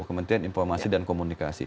kementerian informasi dan komunikasi